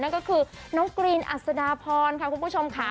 น้องกรีนอัศดาพรคุณผู้ชมค่ะ